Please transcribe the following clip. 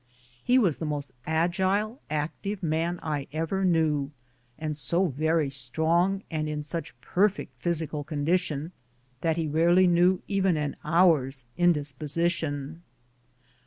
He was the most agile, active man I ever knew, and so very strong and in such perfect physical con dition that he rarely knew even an hour's indisposi tion.